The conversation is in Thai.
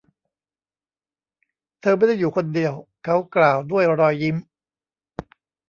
เธอไม่ได้อยู่คนเดียว เขากล่าวด้วยรอยยิ้ม